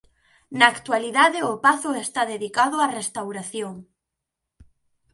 Na actualidade o pazo está dedicado á restauración.